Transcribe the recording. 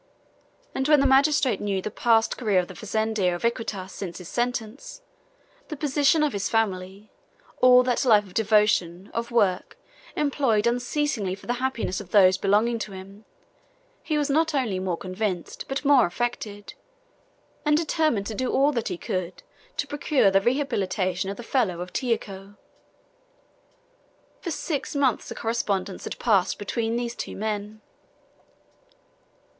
And when the magistrate knew the past career of the fazender of Iquitos since his sentence, the position of his family, all that life of devotion, of work, employed unceasingly for the happiness of those belonging to him, he was not only more convinced but more affected, and determined to do all that he could to procure the rehabilitation of the felon of Tijuco. For six months a correspondence had passed between these two men.